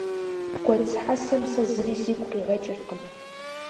Гуэдз хьэсэм сэ зыри сигу къигъэкӀыркъым.